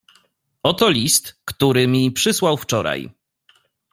"Oto list, który mi przysłał wczoraj."